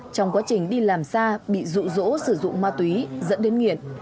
trong quá trình đi làm xa bị rụ rỗ sử dụng ma túy dẫn đến nghiện